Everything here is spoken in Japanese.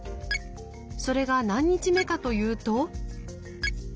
それが何日目かというと。